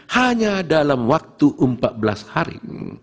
hanya dalam waktu empat belas hari